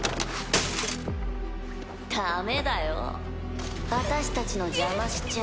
ダメだよ私たちの邪魔しちゃ。